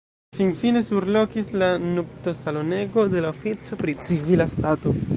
Finfine surlokis la nuptosalonego de la ofico pri civila stato.